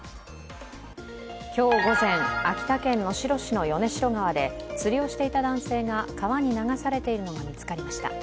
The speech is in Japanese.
今日午前、秋田県能代市の米代川で釣りをしていた男性が川に流されているのが見つかりました。